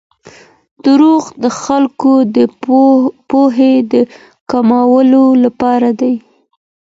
دروغ د خلګو د پوهي د کمولو لپاره دي.